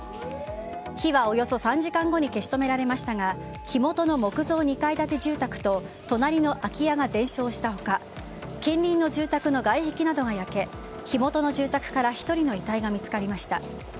火はおよそ３時間後に消し止められましたが火元の木造２階建て住宅と隣の空き家が全焼した他近隣の住宅の外壁などが焼け火元の住宅から１人の遺体が見つかりました。